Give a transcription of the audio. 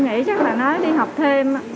nghĩ chắc là nó đi học thêm